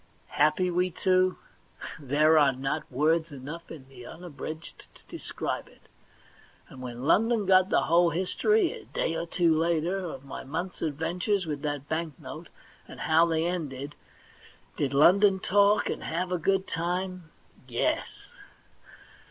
Happy, we too ? There are not words enough in the unabridged to describe it. And when London got the whole history, a day or two later, of my month's adventures with that bank note, and how they ended, did London talk, and have a good time ? Yes.